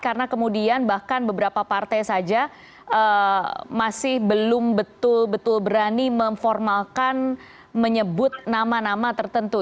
karena kemudian bahkan beberapa partai saja masih belum betul betul berani memformalkan menyebut nama nama tertentu